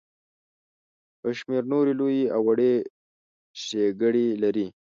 یو شمیر نورې لویې او وړې ښیګړې لري.